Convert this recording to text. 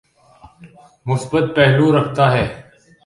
مثبت پہلو رکھتا ہے۔